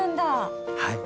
はい！